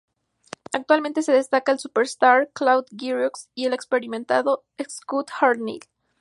Actualmente se destacan el superstar Claude Giroux y el experimentado Scott Hartnell.